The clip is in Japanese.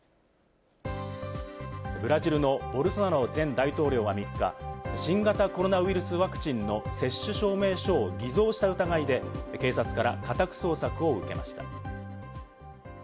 ブラジルのボルソナロ前大統領は３日、新型コロナウイルスワクチンの接種証明書を偽造した疑いで、警察から家宅捜索を受けました。